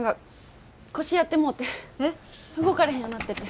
動かれへんようなってて。